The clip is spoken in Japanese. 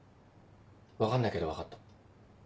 分かんないけど分かった。